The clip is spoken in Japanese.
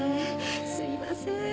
すいません。